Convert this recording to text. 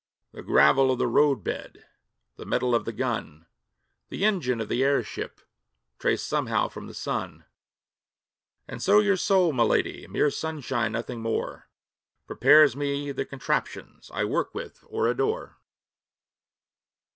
The gravel of the roadbed, The metal of the gun, The engine of the airship Trace somehow from the sun. And so your soul, my lady (Mere sunshine, nothing more) Prepares me the contraptions I work with or adore.